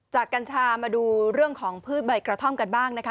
กัญชามาดูเรื่องของพืชใบกระท่อมกันบ้างนะคะ